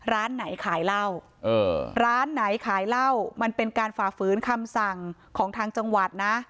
ร้านไหนขายเหล้าร้านไหนขายเหล้ามันเป็นการฝ่าฝืนคำสั่งของทางจังหวัดนะ